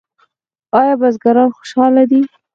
آیا بزګران خوشحاله دي؟